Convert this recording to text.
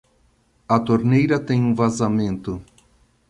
A torneira tem um vazamento.